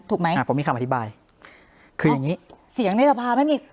ถูกไหมอ่าผมมีคำอธิบายคืออย่างงี้เสียงในสภาไม่มี